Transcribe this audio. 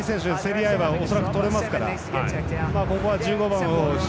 ボッフェーリ選手競り合えば恐らくとれますから。